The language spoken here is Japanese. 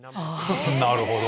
なるほど！